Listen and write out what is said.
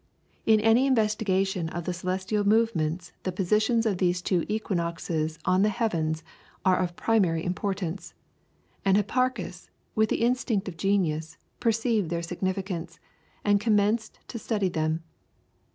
In any investigation of the celestial movements the positions of these two equinoxes on the heavens are of primary importance, and Hipparchus, with the instinct of genius, perceived their significance, and commenced to study them.